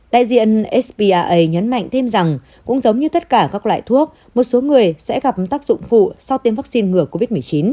đại diện spaa nhấn mạnh thêm rằng cũng giống như tất cả các loại thuốc một số người sẽ gặp tác dụng phụ sau tiêm vaccine ngừa covid một mươi chín